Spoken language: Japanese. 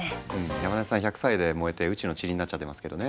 山根さん１００歳で燃えて宇宙のちりになっちゃってますけどね。